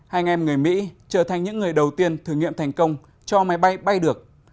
anh em người mỹ trở thành những người đầu tiên thử nghiệm thành công cho máy bay bay được